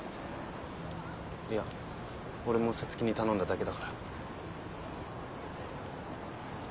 いや俺も皐月に頼んだだけだから。